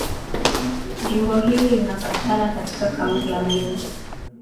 Jimbo hili linapatikana katika Kaunti ya Meru.